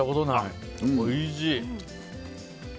おいしい。